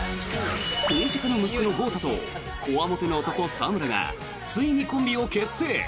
政治家の息子の豪太とこわもての男、澤村がついにコンビを結成。